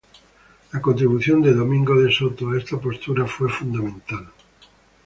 La contribución de Domingo de Soto a esta postura fue fundamental.